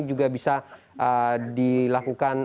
juga bisa dilakukan